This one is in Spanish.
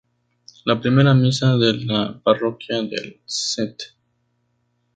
La primera misa de la parroquia de St.